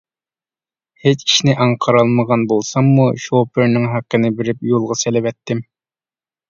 ھېچ ئىشنى ئاڭقىرالمىغان بولساممۇ شوپۇرنىڭ ھەققىنى بېرىپ يولغا سېلىۋەتتىم.